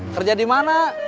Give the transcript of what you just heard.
kerja di mana